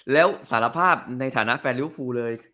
แล้วสารภาพในฐานะแฟนริวภูเลย